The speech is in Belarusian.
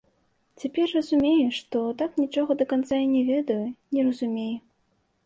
Цяпер разумею, што так нічога да канца і не ведаю, не разумею.